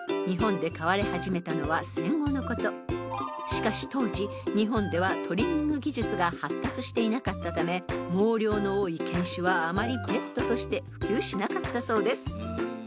［しかし当時日本ではトリミング技術が発達していなかったため毛量の多い犬種はあまりペットとして普及しなかったそうです］